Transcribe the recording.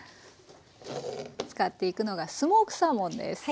使っていくのがスモークサーモンです。